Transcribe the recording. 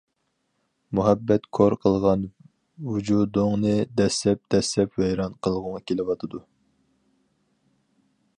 مۇھەببەت كور قىلغان ۋۇجۇدۇڭنى دەسسەپ-دەسسەپ ۋەيران قىلغۇڭ كېلىۋاتىدۇ.